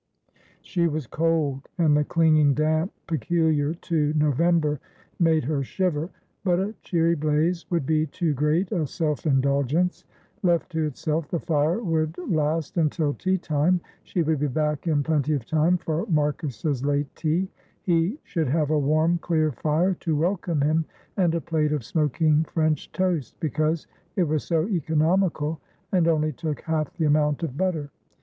She was cold, and the clinging damp peculiar to November made her shiver; but a cheery blaze would be too great a self indulgence; left to itself the fire would last until tea time she would be back in plenty of time for Marcus's late tea he should have a warm clear fire to welcome him and a plate of smoking French toast, because it was so economical and only took half the amount of butter.